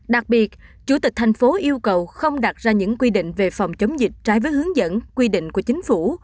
đặc biệt chủ tịch thành phố yêu cầu không đặt ra những quy định về phòng chống dịch trái với hướng dẫn quy định của chính phủ